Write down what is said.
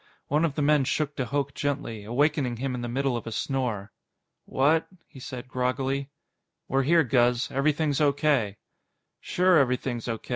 One of the men shook de Hooch gently, awakening him in the middle of a snore. "What?" he said groggily. "We're here, Guz. Everything's O.K." "Sure everything's O.